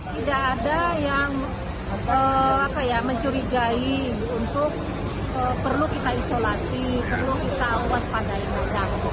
tidak ada yang mencurigai untuk perlu kita isolasi perlu kita waspadainya